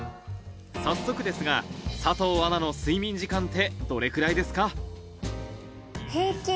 早速ですが佐藤アナの睡眠時間ってどれくらいですか？